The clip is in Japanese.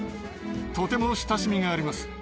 とても親しみがあります。